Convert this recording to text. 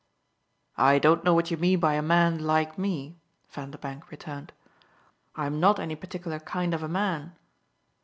"I don't know what you mean by a man 'like me,'" Vanderbank returned. "I'm not any particular kind of a man."